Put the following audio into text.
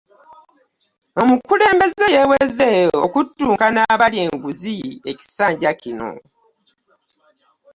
Omukulembeze yeeweze okuttuka n'abalta enguzi ekisanja kino.